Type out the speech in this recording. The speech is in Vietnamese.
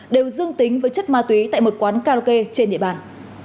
đều dương tính với chất ma túy tại một quán karaoke trên địa bàn